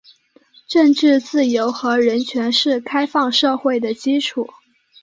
政治自由和人权是开放社会的基础。